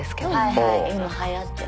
はいはい今はやってる。